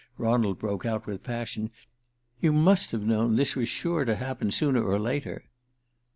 Ronald broke out with passion. "You must have known this was sure to happen sooner or later."